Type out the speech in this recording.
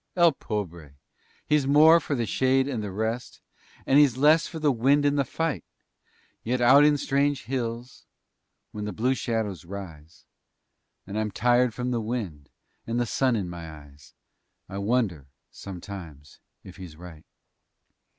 El pobre! he's more for the shade and the rest And he's less for the wind and the fight, Yet out in strange hills, when the blue shadows rise And I'm tired from the wind and the sun in my eyes, I wonder, sometimes, if he's right.